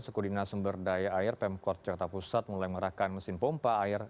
sekudina sumber daya air pemkot jakarta pusat mulai merahkan mesin pompa air